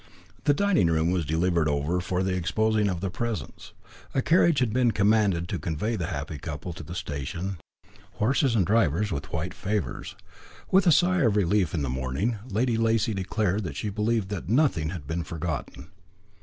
The dining room was delivered over for the exposing of the presents. A carriage had been commanded to convey the happy couple to the station, horses and driver with white favours. With a sigh of relief in the morning, Lady Lacy declared that she believed that nothing had been forgotten.